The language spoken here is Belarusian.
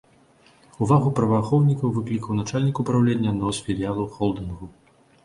Увагу праваахоўнікаў выклікаў начальнік упраўлення аднаго з філіялаў холдынгу.